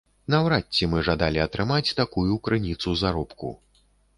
Наўрад ці мы жадалі атрымаць такую крыніцу заробку.